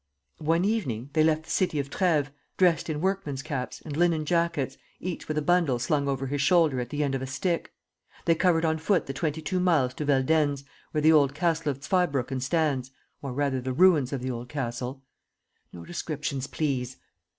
"One evening, they left the city of Treves, dressed in workmen's caps and linen jackets, each with a bundle slung over his shoulder at the end of a stick. They covered on foot the twenty two miles to Veldenz, where the old Castle of Zweibrucken stands, or rather the ruins of the old castle." "No descriptions, please."